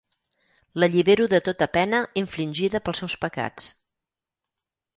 L'allibero de tota pena infligida pels seus pecats.